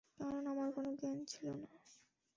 কারণ আমার কোনো জ্ঞান ছিল না।